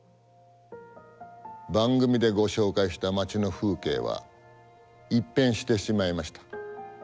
番組でご紹介した街の風景は一変してしまいました。